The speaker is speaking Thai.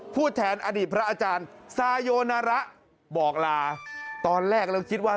พูดแทนอดีตพระอาจารย์สายนระบอกลาตอนแรกเราก็คิดว่า